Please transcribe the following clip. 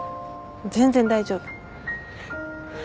全然大丈夫。